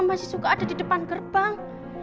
masih suka ada di depan gerbang